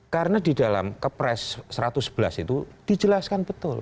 karena di dalam kepres satu ratus sebelas itu dijelaskan betul